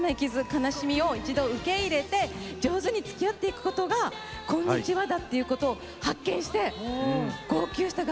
悲しみを一度受け入れて上手につきあっていくことが「こんにちは」だっていうことを発見して号泣した楽曲だったんですね。